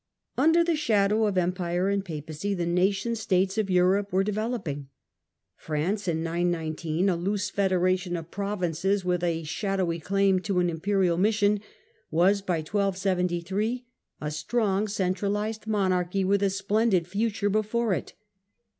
Under the shadow of Empire and Papacy the nation states of Europe were developing. France, in 919 a loose federation of provinces, with a shadowy claim to an imperial mission, was by 1273 a strong centralized monarchy with a splendid future before it.